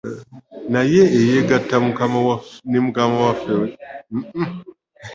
Naye eyeegatta ne Mukama waffe gwe mwoyo gumu: anyi ng'eyeegatta n'omwenzi gwe mubiri gumu?